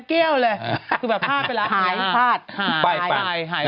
แก้วเลยคือแบบห้าไปแล้วหายหายหายหายหายหายหายหายหายหาย